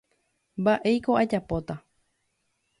mba'éiko ajapóta